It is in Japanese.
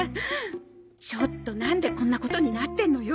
ちょっとなんでこんなことになってんのよ？